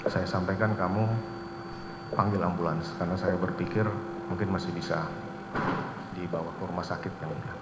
saya sampaikan kamu panggil ambulans karena saya berpikir mungkin masih bisa dibawa ke rumah sakit